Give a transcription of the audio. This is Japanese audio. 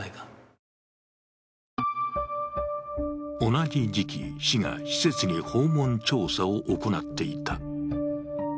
同じ時期、市が施設に訪問調査を行っていた。